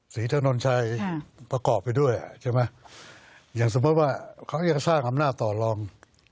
ศรีธนชายใช่ประกอบไปด้วยอ่ะใช่ไหมอย่างสมมติว่าเขาอยากสร้างอำนาจต่อลอง